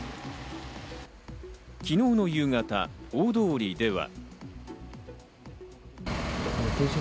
昨日の夕方、大通りでは。